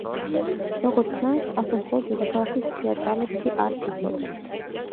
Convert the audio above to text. როგორც ჩანს, ასე მხოლოდ დედაქალაქის თეატრალებში არ ფიქრობენ.